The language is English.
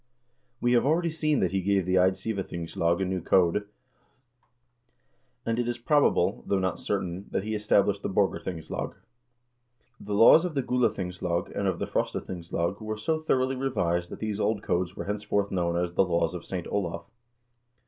We have already seen that he gave the Eidsivathingslag a new code, and it is probable, though not certain, that he established the Borg arthingslag. The laws of the Gulathingslag and of the Frosta thingslag were so thoroughly revised that these old codes were henceforth known as the "Laws of Saint Olav."